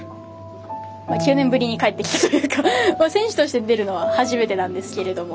９年ぶりに帰ってきたというか選手として出るのは初めてなんですけれども。